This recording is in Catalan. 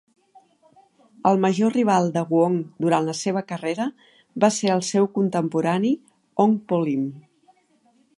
El major rival de Wong durant la seva carrera va ser el seu contemporani Ong Poh Lim.